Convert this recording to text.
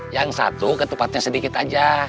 yang satu ke tempatnya sedikit aja